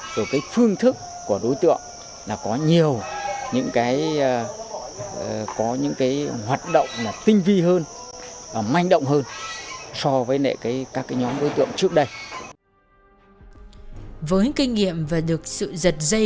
với kinh nghiệm và được sự giật dây